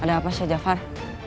ada apa syed jafar